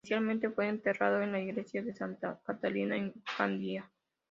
Inicialmente fue enterrado en la Iglesia de Santa Catalina en Candía.